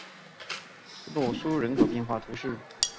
洛苏人口变化图示